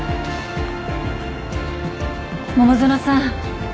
桃園さん。